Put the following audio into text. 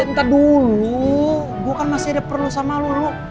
ntar dulu gue kan masih ada perlu sama lo